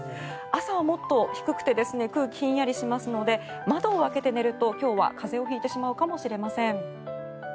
朝はもっと低くて空気ひんやりしますので窓を開けて寝ると今日は風邪を引いてしまうかもしれません。